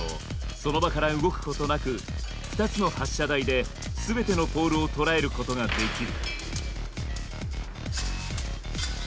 その場から動くことなく２つの発射台で全てのポールをとらえることができる。